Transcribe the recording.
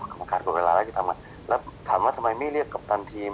กรรมการกดเวลาแล้วจะทำแล้วถามว่าทำไมไม่เรียกกัปตันทีม